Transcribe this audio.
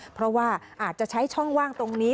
เพราะว่าอาจจะใช้ช่องว่างตรงนี้